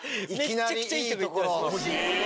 めちゃくちゃいいとこ。